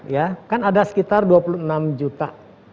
ya kan ada sekitar dua puluh enam juta